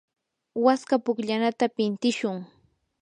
waska pukllanata pintishun.